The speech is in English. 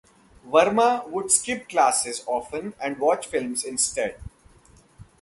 Varma would skip classes often and watch films instead.